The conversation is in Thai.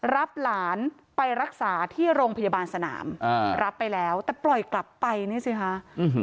รับหลานไปรักษาที่โรงพยาบาลสนามรับไปแล้วแต่ปล่อยกลับไปเนี่ยสิคะ